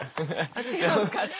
あっ違うんですかあれ。